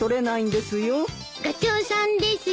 ガチョウさんですよ。